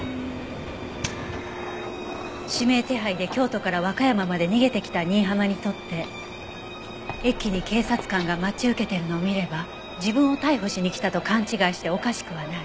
指名手配で京都から和歌山まで逃げてきた新浜にとって駅に警察官が待ち受けてるのを見れば自分を逮捕しに来たと勘違いしておかしくはない。